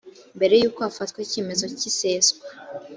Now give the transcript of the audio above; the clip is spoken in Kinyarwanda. mbere y uko hafatwa icyemezo cy iseswa